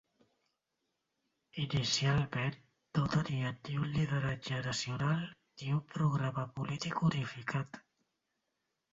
Inicialment, no tenien ni un lideratge nacional ni un programa polític unificat.